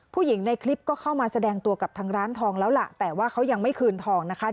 ผู้หญิงในคลิปก็เข้ามาแสดงตัวกับทางร้านทองแล้วล่ะแต่ว่าเขายังไม่คืนทองนะคะ